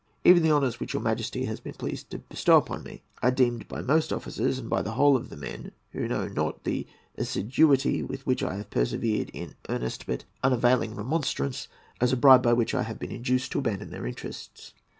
Even the honours which your Majesty has been pleased to bestow upon me are deemed by most of the officers, and by the whole of the men, who know not the assiduity with which I have persevered in earnest but unavailing remonstrance, as a bribe by which I have been induced to abandon their interests.